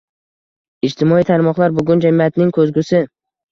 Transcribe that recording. Ijtimoiy tarmoqlar bugun jamiyatning ko‘zgusi.